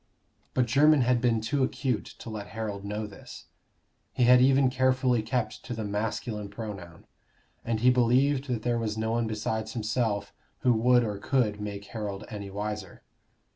But Jermyn had been too acute to let Harold know this: he had even carefully kept to the masculine pronoun. And he believed that there was no one besides himself who would or could make Harold any wiser.